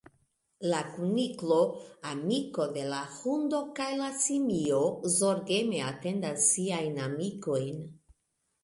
La kuniklo, amiko de la hundo kaj la simio, zorgeme atendas siajn amikojn.